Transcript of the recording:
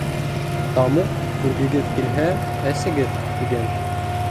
Тамуҡ күргегеҙ килһә, әсегеҙ тигән.